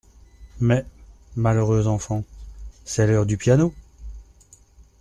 Mais, malheureuses enfants, c'est l'heure du piano !